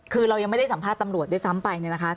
คือเรายังไม่ได้สัมภาษณ์ตำรวจด้วยซ้ำไปเนี่ยนะคะ